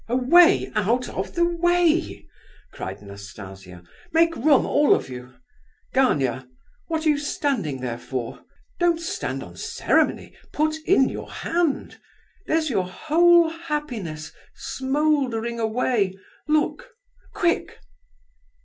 "Away, out of the way!" cried Nastasia. "Make room, all of you! Gania, what are you standing there for? Don't stand on ceremony. Put in your hand! There's your whole happiness smouldering away, look! Quick!"